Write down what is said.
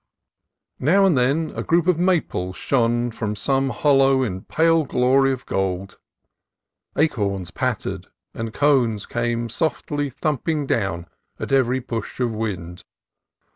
Now and then a group of maples shone from some hollow in pale glory of gold. Acorns pattered and cones came softly thumping down at every push of wind.